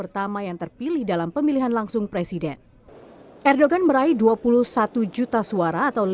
kami siap untuk melindungi mereka